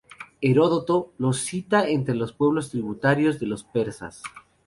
Heródoto los cita entre los pueblos tributarios de los persas.